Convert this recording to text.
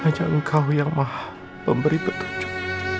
hanya engkau yang maha pemberi petunjuk